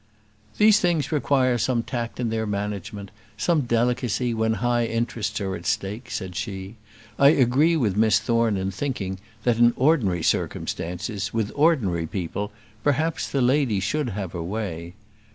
"These things require some tact in their management; some delicacy when high interests are at stake," said she; "I agree with Miss Thorne in thinking that, in ordinary circumstances, with ordinary people, perhaps, the lady should have her way.